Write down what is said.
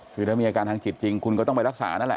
คือถ้ามีอาการทางจิตจริงคุณก็ต้องไปรักษานั่นแหละ